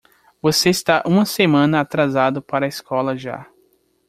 Você está uma semana atrasado para a escola já.